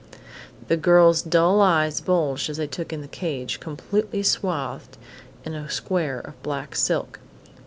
The girl's dull eyes bulged as they took in the cage, completely swathed in a square of black silk.